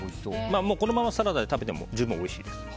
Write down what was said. このままサラダで食べても十分おいしいです。